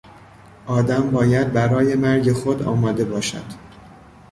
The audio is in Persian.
آدم باید برای مرگ خود آماده باشد.